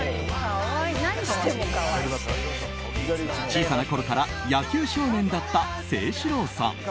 小さなころから野球少年だった清史郎さん。